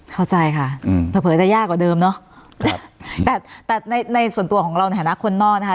เข้าใจค่ะอืมเผลอเผลอจะยากกว่าเดิมเนอะแต่แต่ในในส่วนตัวของเราในฐานะคนนอกนะคะ